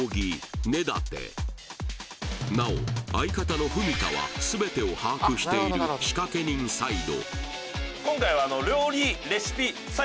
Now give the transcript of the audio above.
なお相方の文田は全てを把握している仕掛け人サイド